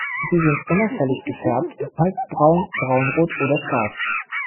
Sie sind unauffällig gefärbt und meist braun, braunrot oder schwarz.